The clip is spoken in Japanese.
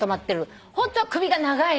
ホントは首が長いの。